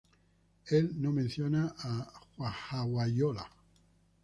Él no menciona a Hawaiʻiloa.